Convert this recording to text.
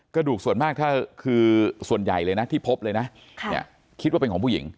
กระดูกส่วนมากถ้าคือส่วนใหญ่เลยนะที่พบเลยนะคิดว่าเป็นของผู้หญิง